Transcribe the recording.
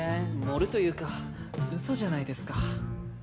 盛るというか嘘じゃないですか。